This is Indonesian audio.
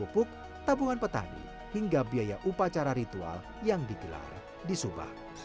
dalam bentuk insentif terkait keperluan subak seperti insentif pupuk tabungan petani hingga biaya upacara ritual yang digelar di subak